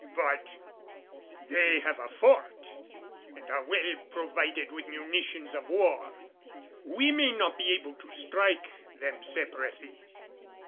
"But they have a fort and are well provided with munitions of war, we may not be able to strike them separately.